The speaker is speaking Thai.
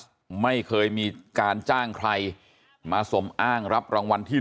กองสลักพลัสไม่เคยมีการจ้างใครมาสมอ้างรับรางวัลที่๑